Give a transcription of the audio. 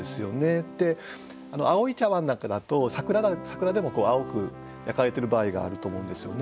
青い茶碗なんかだと桜でも青く焼かれてる場合があると思うんですよね。